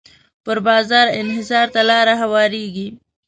پر بازار انحصار ته لاره هواریږي.